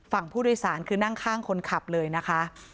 ฝั่งผู้โดยสารคือนั่งข้างคนขับเลยนะคะ